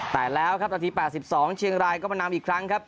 แต่แล้วครับนาที๘๒เชียงรายก็มานำอีกครั้งครับ